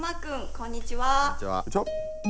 こんにちは。